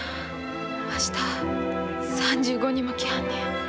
明日３５人も来はんねん。